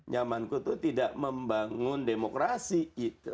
zamanku itu tidak membangun demokrasi